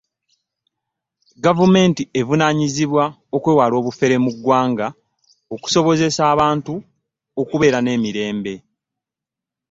gavumenti evunanyizibwa okwewala obufeere mu gwanga okusobozesa abant okubeera n'emirembe